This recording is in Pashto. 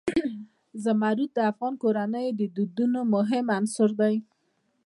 زمرد د افغان کورنیو د دودونو مهم عنصر دی.